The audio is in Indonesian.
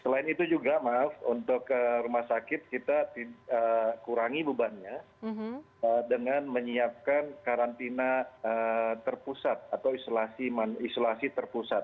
selain itu juga maaf untuk rumah sakit kita kurangi bebannya dengan menyiapkan karantina terpusat atau isolasi terpusat